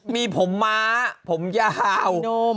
มีผมม้าผมยาว